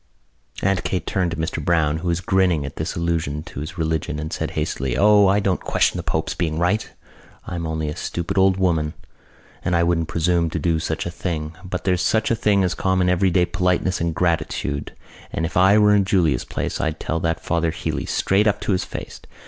Aunt Kate turned to Mr Browne, who was grinning at this allusion to his religion, and said hastily: "O, I don't question the pope's being right. I'm only a stupid old woman and I wouldn't presume to do such a thing. But there's such a thing as common everyday politeness and gratitude. And if I were in Julia's place I'd tell that Father Healey straight up to his face...."